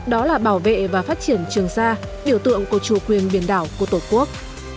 đó là bảo vệ và phát triển trường sa biểu tượng của chủ quyền biển đảo của tổ quốc